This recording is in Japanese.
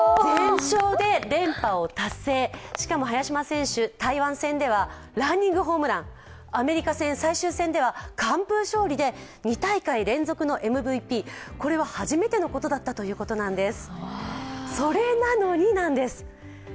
連覇を達成、しかも早嶋選手、台湾戦ではランニングホームラン、アメリカ戦最終戦では完封勝利で２大会連続のＭＶＰ、これは初めてのことだったということです。